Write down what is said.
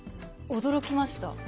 驚きました。